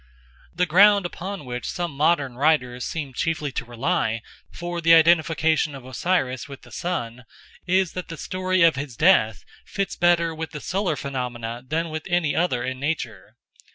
The ground upon which some modern writers seem chiefly to rely for the identification of Osiris with the sun is that the story of his death fits better with the solar phenomena than with any other in nature.